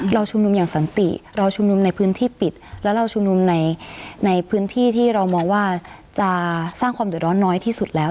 เราชุมนุมอย่างสันติเราชุมนุมในพื้นที่ปิดแล้วเราชุมนุมในพื้นที่ที่เรามองว่าจะสร้างความเดือดร้อนน้อยที่สุดแล้ว